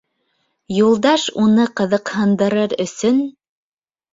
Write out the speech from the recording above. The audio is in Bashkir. Юлдаш уны ҡыҙыҡһындырыр өсөн: